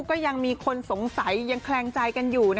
ก็ยังมีคนสงสัยยังแคลงใจกันอยู่